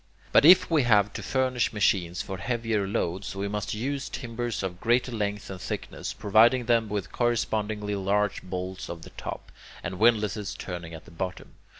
But if we have to furnish machines for heavier loads, we must use timbers of greater length and thickness, providing them with correspondingly large bolts at the top, and windlasses turning at the bottom.